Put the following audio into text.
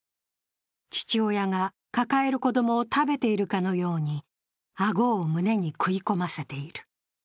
父親が抱える子供を食べてるかのように、顎を胸に食い込ませている。